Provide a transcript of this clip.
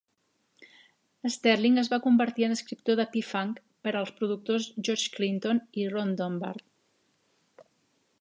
Sterling es va convertir en escriptor de P-Funk per als productors George Clinton i Ron Dunbar.